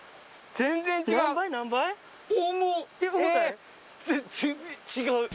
全然違う。